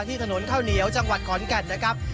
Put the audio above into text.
ถนนข้าวเหนียวจังหวัดขอนแก่นนะครับ